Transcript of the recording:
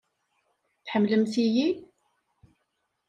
Tḥemmlemt-iyi?